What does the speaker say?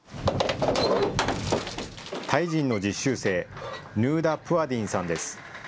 タイ人の実習生、ヌーダ・プワディンさんです。